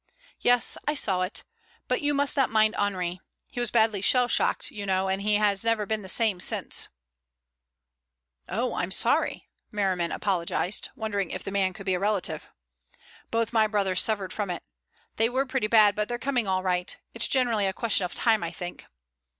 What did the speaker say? "Yes, I saw it. But you must not mind Henri. He was badly shell shocked, you know, and he has never been the same since." "Oh, I'm sorry," Merriman apologized, wondering if the man could be a relative. "Both my brothers suffered from it. They were pretty bad, but they're coming all right. It's generally a question of time, I think."